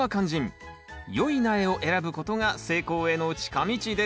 よい苗を選ぶことが成功への近道です。